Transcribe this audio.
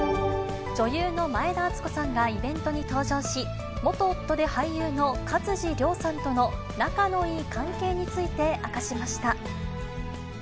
女優の前田敦子さんがイベントに登場し、元夫で俳優の勝地涼さんとの仲のいい関係について明かしました。